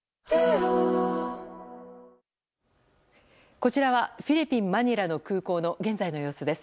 こちらはフィリピン・マニラの空港の現在の様子です。